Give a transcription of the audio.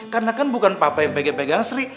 karena kan bukan papa yang pegang pegang sri